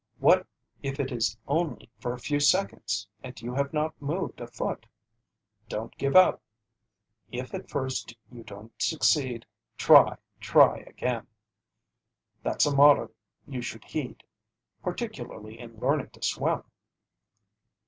What if it is only for a few seconds and you have not moved a foot? Don't give up. "If at first you don't succeed, try, try again!" That's a motto you should heed, particularly in learning to swim.